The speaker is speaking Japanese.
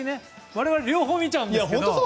我々は両方見ちゃうんですけど。